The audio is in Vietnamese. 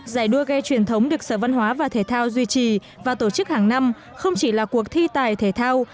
giải đua ghe truyền thống được sở văn hóa và thể thao duy trì và tổ chức hàng năm không chỉ là cuộc thi tài thể thao